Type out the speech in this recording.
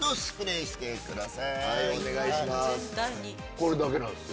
これだけなんですよ